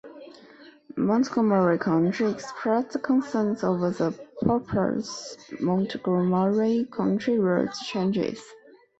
Montgomery County expressed concerns over the proposed Montgomery County route changes.